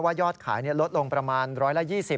ว่ายอดขายลดลงประมาณ๑๒๐บาท